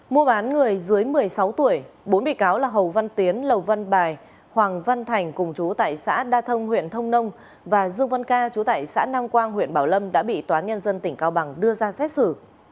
mua bán người dưới một mươi sáu tuổi bốn bị cáo là hồ văn tiến lầu văn bài hoàng văn thành cùng chú tại xã đa thông huyện thông nông và dương văn ca chú tại xã nam quang huyện bảo lâm đã bị toán nhân dân tỉnh cao bằng đưa ra xét xử